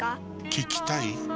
聞きたい？